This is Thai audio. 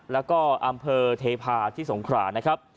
และก็อำเพอเทพาะที่สงครา